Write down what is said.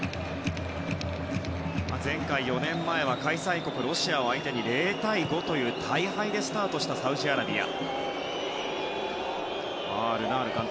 前回、４年前は開催国のロシアに対して０対５という大敗でスタートしたサウジアラビア。